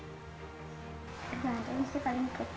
nah dia yang paling kecil kalau lagi setia enam puluh lima tujuh puluh